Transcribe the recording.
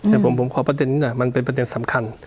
แต่ผมขอประเด็นนี้หน่อยมันเป็นประเด็นสำคัญ